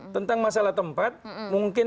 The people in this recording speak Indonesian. tentang masalah tempat mungkin